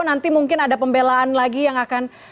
nanti mungkin ada pembelaan lagi yang akan